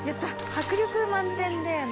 迫力満点だよね。